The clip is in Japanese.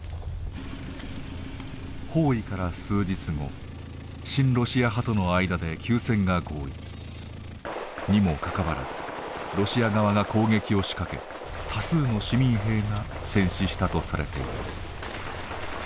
包囲から数日後親ロシア派との間で休戦が合意。にもかかわらずロシア側が攻撃を仕掛け多数の市民兵が戦死したとされています。